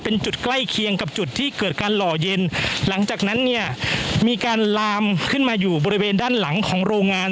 เป็นจุดใกล้เคียงกับจุดที่เกิดการหล่อเย็นหลังจากนั้นเนี่ยมีการลามขึ้นมาอยู่บริเวณด้านหลังของโรงงาน